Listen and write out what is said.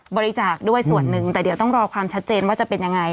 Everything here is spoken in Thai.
บริจาคด้วยส่วนหนึ่งแต่เดี๋ยวต้องรอความชัดเจนว่าจะเป็นยังไง